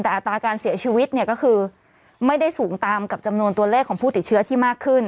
แต่อัตราการเสียชีวิตเนี่ยก็คือไม่ได้สูงตามกับจำนวนตัวเลขของผู้ติดเชื้อที่มากขึ้น